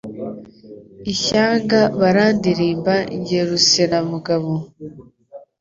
Ishyanga barandirimba jye rusenamugabo